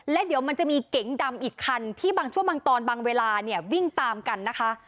และเดี๋ยวมันจะมีเก๋งดำอีกคันที่บางช่วงบางตอนบางเวลาเนี่ยวิ่งตามกันนะคะ